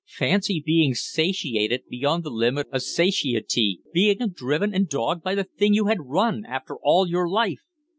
"Fancy being satiated beyond the limit of satiety, being driven and dogged by the thing you had run after all your life!"